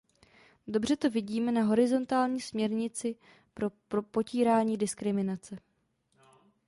Dobře to vidíme na horizontální směrnici pro potírání diskriminace.